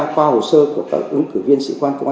qua hồ sơ của các ứng cử viên sĩ quan công an